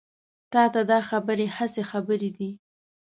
تا ته دا خبرې هسې خبرې دي.